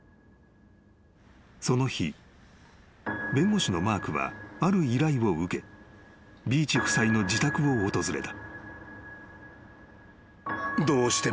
［その日弁護士のマークはある依頼を受けビーチ夫妻の自宅を訪れた］